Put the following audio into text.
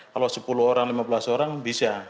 kalau sepuluh orang lima belas orang bisa